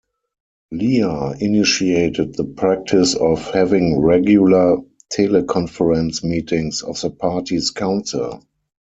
Lea initiated the practice of having regular teleconference meetings of the party's council.